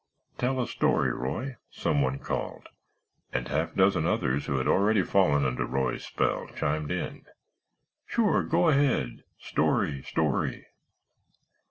"Tell a story, Roy," some one called, and half dozen others, who had already fallen under Roy's spell, chimed in, "Sure, go ahead—story, story!"